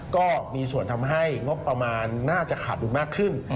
ก็มีส่วนทำให้งบประมาณน่าจะขาดดุลมากขึ้น